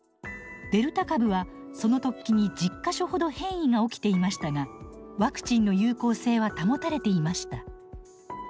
デルタ株はその突起に１０か所ほど変異が起きていましたがワクチンの有効性は保たれていました。